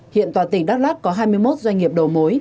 hiện toàn tỉnh đắk lắc có hai mươi một doanh nghiệp đầu mối